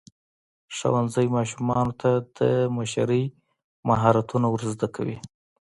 ښوونځی ماشومانو ته د مشرۍ مهارتونه ورزده کوي.